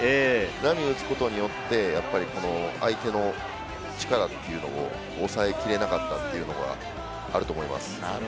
波打つことによって相手の力というのを抑えきれなかったというのがあると思います。